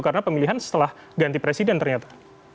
karena pemilihan setelah ganti presiden ternyata